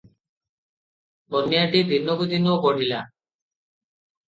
କନ୍ୟାଟି ଦିନକୁ ଦିନ ବଢ଼ିଲା ।